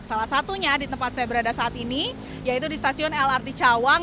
salah satunya di tempat saya berada saat ini yaitu di stasiun lrt cawang